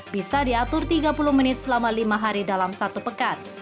bisa diatur tiga puluh menit selama lima hari dalam satu pekat